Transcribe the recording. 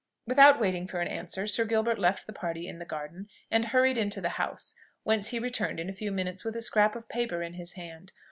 Without waiting for an answer, Sir Gilbert left the party in the garden, and hurried into the house, whence he returned in a few minutes with a scrap of paper in his hand.